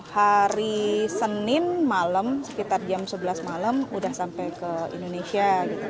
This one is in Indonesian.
hari senin malam sekitar jam sebelas malam udah sampai ke indonesia